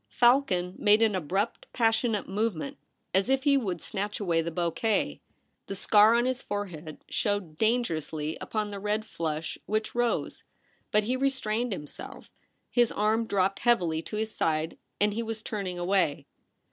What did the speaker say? Falcon made an abrupt passionate movement, as if he would snatch away the bouquet. The scar on his forehead showed dangerously upon the red flush which rose ; but he re strained himself His arm dropped heavily to his side, and he was turning away.